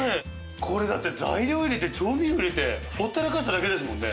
これだって材料入れて調味料入れてほったらかしただけですもんね。